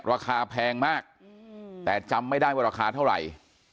ราคาแพงมากแต่จำไม่ได้ว่าราคาเท่าไหร่